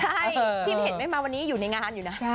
ใช่ที่เห็นไม่มาวันนี้อยู่ในงานอยู่นะ